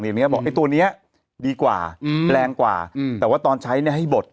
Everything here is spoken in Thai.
บอกไอ้ตัวเนี้ยดีกว่าอืมแรงกว่าแต่ว่าตอนใช้เนี่ยให้บด